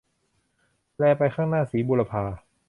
แลไปข้างหน้า - ศรีบูรพา